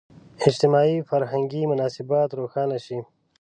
اجتماعي – فرهنګي مناسبات روښانه شي.